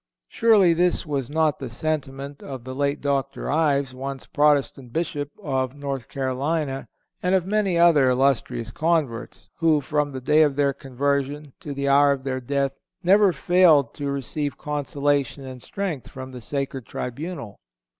Surely, this was not the sentiment of the late Dr. Ives, once Protestant Bishop of North Carolina, and of many other illustrious converts, who, from the day of their conversion to the hour of their death never failed to receive consolation and strength from the sacred tribunal.